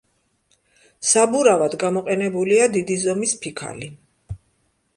საბურავად გამოყენებულია დიდი ზომის ფიქალი.